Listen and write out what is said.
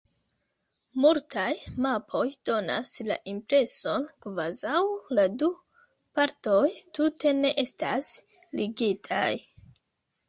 Multaj mapoj donas la impreson, kvazaŭ la du partoj tute ne estas ligitaj.